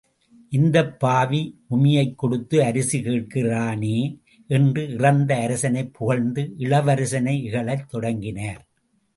இந்தப் பாவி உமியைக் கொடுத்து அரிசி கேட்கிறானே? என்று இறந்த அரசனைப் புகழ்ந்து இளவரசனை இகழத் தொடங்கினர்.